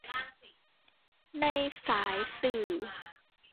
ในสายสื่อ